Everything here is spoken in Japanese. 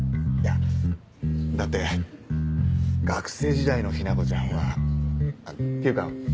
いやだって学生時代の雛子ちゃんはっていうか